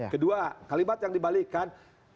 kedua kalimat yang dibalikan